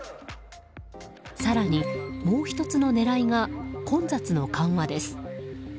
更に、もう１つの狙いが混雑の緩和です。